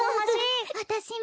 わたしも。